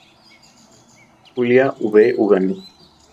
Julia V. Uranga.